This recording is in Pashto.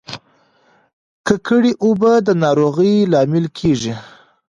ککړې اوبه د ناروغیو لامل کیږي.